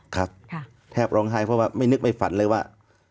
ครับแทบร้องไห้เพราะว่าไม่นึกไม่ฝันเลยว่า